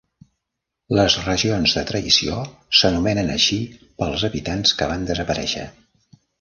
Les regions de Traïció s'anomenen així pels habitants que van desaparèixer.